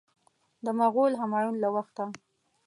د مغول همایون له وخته.